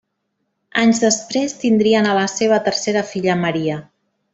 Anys després tindrien a la seva tercera filla Maria.